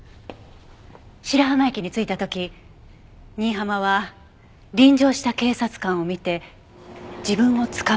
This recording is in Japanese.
白浜駅に着いた時新浜は臨場した警察官を見て自分を捕まえに来たと誤解した。